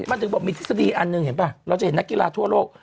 มันถึงบอกมีทฤษฎีอันหนึ่งเห็นป่ะเราจะเห็นนักกีฬาทั่วโลก